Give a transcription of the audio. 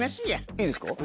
いいですか？